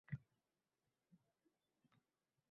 Bermasa, kuch bilan olaman…